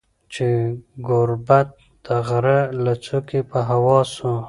چي ګوربت د غره له څوکي په هوا سو